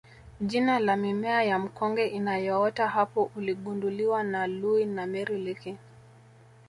jina la mimea ya mkonge inayoota hapo uligunduliwa na Loui na Mary Leakey